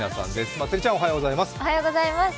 まつりちゃん、おはようございます。